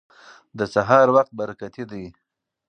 د سهار وخت برکتي دی.